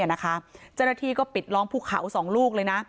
เจ้าหน้าที่ก็ปิดล้อมภูเขา๒ลูกเลยนะ